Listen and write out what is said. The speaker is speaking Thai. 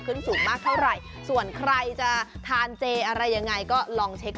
สูงมากเท่าไหร่ส่วนใครจะทานเจอะไรยังไงก็ลองเช็ค